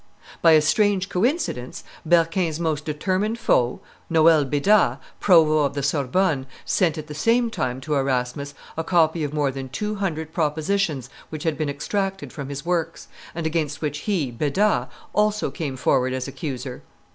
By a strange coincidence, Berquin's most determined foe, Noel Beda, provost of the Sorbonne, sent at the same time to Erasmus a copy of more than two hundred propositions which had been extracted from his works, and against which he, Beda, also came forward as accuser.